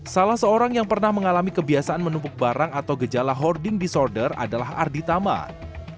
salah seorang yang pernah mengalami kebiasaan menumpuk barang atau gejala hoarding disorder adalah ardi taman